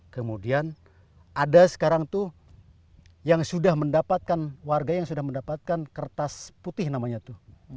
kemudian ada sekarang tuh yang sudah mendapatkan warga yang sudah mendapatkan kertas putih namanya tuh